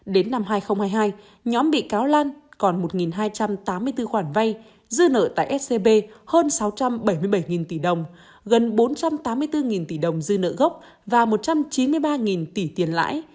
đến năm hai nghìn hai mươi hai nhóm bị cáo lan còn một hai trăm tám mươi bốn khoản vay dư nợ tại scb hơn sáu trăm bảy mươi bảy tỷ đồng gần bốn trăm tám mươi bốn tỷ đồng dư nợ gốc và một trăm chín mươi ba tỷ tiền lãi